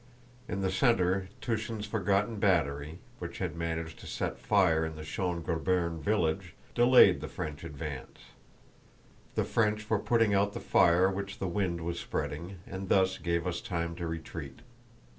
In the center Túshin's forgotten battery, which had managed to set fire to the Schön Grabern village, delayed the French advance. The French were putting out the fire which the wind was spreading, and thus gave us time to retreat.